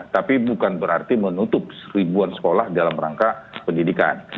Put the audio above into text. tapi bukan berarti menutup ribuan sekolah dalam rangka pendidikan